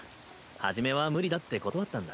初めは無理だって断ったんだ。